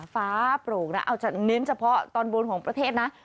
ฟ้าโปร่งเน้นเฉพาะตอนโบรณ์ของประเทศนะ